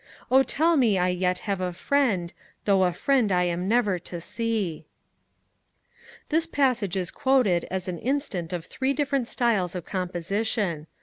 O tell me I yet have a friend, Though a friend I am never to see This passage is quoted as an instance of three different styles of composition.